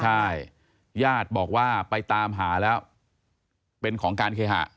ใช่ญาติบอกว่าไปตามหาแล้วเป็นของการเคหะ